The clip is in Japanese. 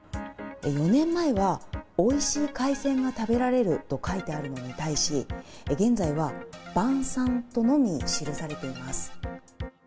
４年前はおいしい海鮮が食べられると書いてあるのに対し現在は晩さんとのみ記されています。